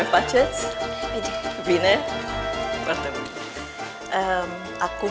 dan saya akan